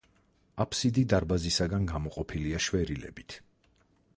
აბსიდი დარბაზისაგან გამოყოფილია შვერილებით.